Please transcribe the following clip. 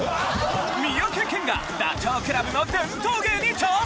三宅健がダチョウ倶楽部の伝統芸に挑戦！